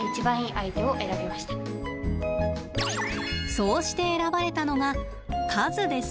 そうして選ばれたのが和です。